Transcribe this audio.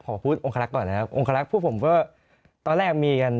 ขอพูดองคลักษ์ก่อนนะครับองคารักษ์พวกผมก็ตอนแรกมีกัน